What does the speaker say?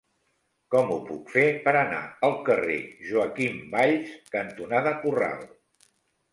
Com ho puc fer per anar al carrer Joaquim Valls cantonada Corral?